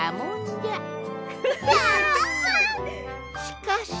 しかし。